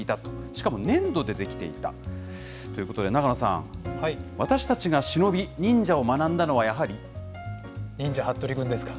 しかも粘土で出来ていたということで、永野さん、私たちが忍び、忍者を学んだのは、忍者ハットリくんですか。